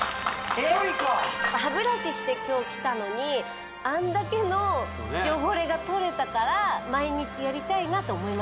１人か歯ブラシして今日来たのにあんだけの汚れがとれたからそうねと思いました